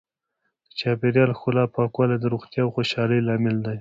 د چاپیریال ښکلا او پاکوالی د روغتیا او خوشحالۍ لامل دی.